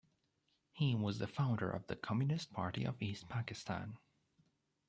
He was the founder of the Communist Party of East Pakistan.